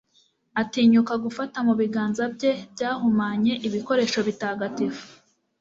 atinyuka gufata mu biganza bye byahumanye ibikoresho bitagatifu